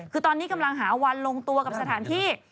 คือตอนนี้กำลังหาวันลงตัวกับสถานที่